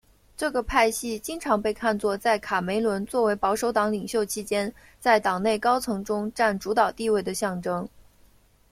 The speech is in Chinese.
这个派系经常被看作在卡梅伦作为保守党领袖期间在党内高层中占主导地位的象征。